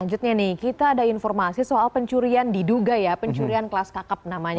selanjutnya nih kita ada informasi soal pencurian diduga ya pencurian kelas kakap namanya